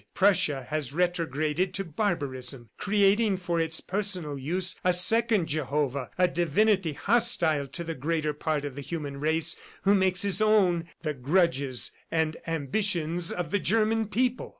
Prussia has retrograded to barbarism, creating for its personal use a second Jehovah, a divinity hostile to the greater part of the human race who makes his own the grudges and ambitions of the German people."